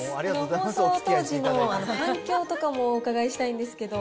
放送当時の反響とかもお伺いしたいんですけど。